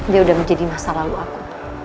dia udah menjadi masa lalu aku